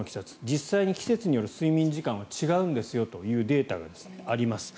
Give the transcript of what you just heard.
実際に季節による睡眠時間は違うんですよというデータがあります。